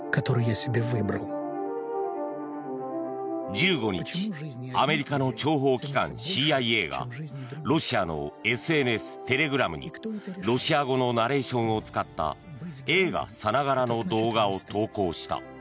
１５日、アメリカの諜報機関ＣＩＡがロシアのＳＮＳ、テレグラムにロシア語のナレーションを使った映画さながらの動画を投稿した。